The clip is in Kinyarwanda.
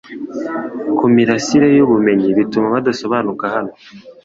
kumirasire yubumenyi bituma badasobanuka hano